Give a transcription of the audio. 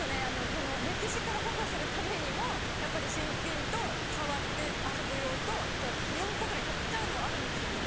その歴史から保護するためにもやっぱり新品と触って遊ぶ用と４個ぐらい買っちゃうのはあるんですよね。